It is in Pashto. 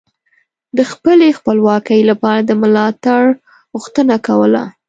د خپلې خپلواکۍ لپاره د ملاتړ غوښتنه کوله